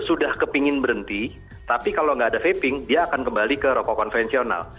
sudah kepingin berhenti tapi kalau nggak ada vaping dia akan kembali ke rokok konvensional